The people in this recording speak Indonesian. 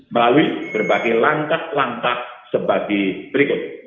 melalui berbagai langkah langkah sebagai berikut